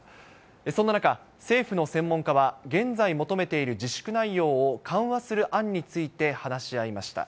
そんな中、政府の専門家は、現在求めている自粛内容を緩和する案について話し合いました。